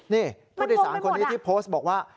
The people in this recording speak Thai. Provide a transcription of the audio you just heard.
นี่ผู้โดยสารคนนี้ที่โพสต์บอกว่า